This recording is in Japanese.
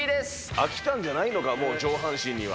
飽きたんじゃないのか、もう上半身には。